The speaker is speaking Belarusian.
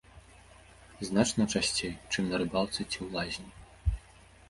Значна часцей, чым на рыбалцы ці ў лазні.